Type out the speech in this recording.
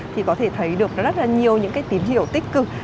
thì có thể thấy được rất là nhiều những cái tín hiệu tích cực